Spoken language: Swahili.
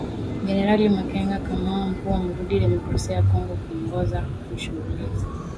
Generali Makenga kamanda mkuu amerudi Demokrasia ya Kongo kuongoza mashambulizi